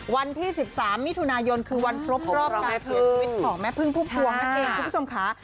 วันที่สิบสามมิถุนายนคือวันครบครอบคราวแม่พึ่งของแม่พึ่งพุ่งพวงทั้งเองคุณผู้ชมค่ะ